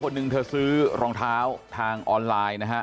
หนึ่งเธอซื้อรองเท้าทางออนไลน์นะฮะ